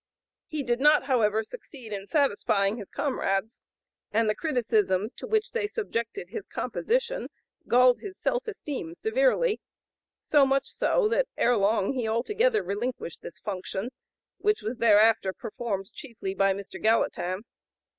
He did not, however, succeed in satisfying his comrades, and the criticisms to which they subjected his composition galled his self esteem severely, so much so that erelong he altogether relinquished this function, which was thereafter performed chiefly by Mr. Gallatin.